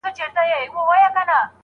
ولي ګونګی سړی د ږیري سره ډېري مڼې خوري؟